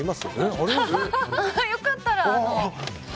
良かったら。